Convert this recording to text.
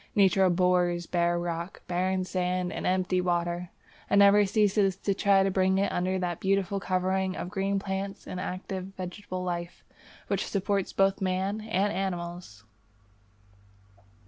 Nature abhors bare rock, barren sand, and empty water, and never ceases to try to bring it under that beautiful covering of green plants and active vegetable life which supports both man and animals.